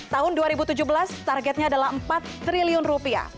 tahun dua ribu tujuh belas targetnya adalah empat triliun rupiah